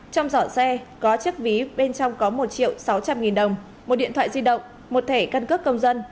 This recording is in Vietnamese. trong giỏ xe có chiếc ví bên trong có một triệu sáu trăm linh nghìn đồng một điện thoại di động một thẻ căn cước công dân